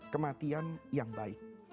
kematian yang baik